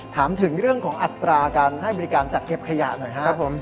ถามถึงเรื่องของอัตราการให้บริการจัดเก็บขยะหน่อยครับผม